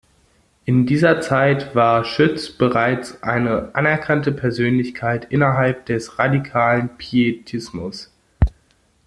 In dieser Zeit war Schütz bereits eine anerkannte Persönlichkeit innerhalb des radikalen Pietismus.